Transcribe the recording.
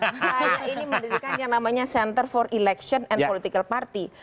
saya ini mendirikan yang namanya center for election and political party